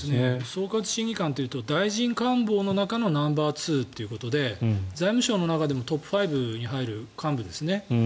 総括審議官というと大臣官房の中のナンバーツーということで財務省の中でもトップファイブに入る幹部です。